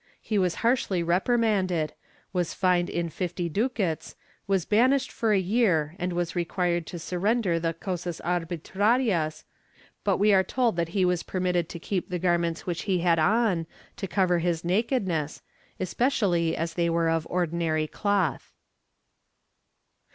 He was harshly reprimanded, was fined in fifty ducats, was banished for a year and was required to surrender the cosas arhitrarias, but we are told that he was permitted to keep the garments which he had on to cover his nakedness, especially as they were of ordinary cloth.'